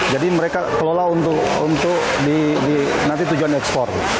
jadi mereka kelola untuk nanti tujuan ekspor